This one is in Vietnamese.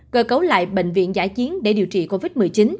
cơ cấu lại bệnh viện giải chiến để điều trị covid một mươi chín